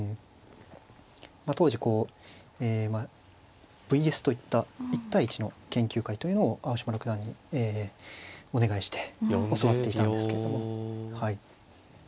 当時こうＶＳといった１対１の研究会というのを青嶋六段にえお願いして教わっていたんですけれども。